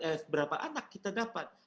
beberapa anak kita dapat